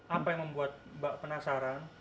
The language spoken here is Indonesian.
apa yang membuat mbak penasaran